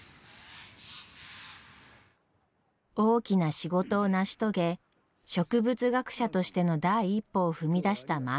大きな仕事を成し遂げ植物学者としての第一歩を踏み出した万太郎は。